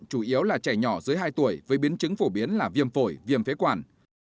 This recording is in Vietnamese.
chủ yếu là trẻ nhỏ dưới hai tuổi với biến chứng phổ biến là viêm phổi viêm phế quản